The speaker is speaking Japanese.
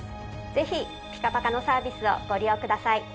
ぜひピカパカのサービスをご利用ください。